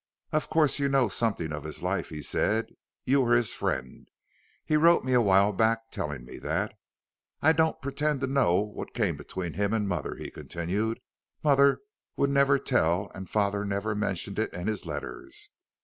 "Of course you know something of his life," he said. "You were his friend he wrote me a while back, telling me that. I don't pretend to know what came between him and mother," he continued; "mother would never tell and father never mentioned it in his letters.